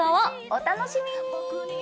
お楽しみに。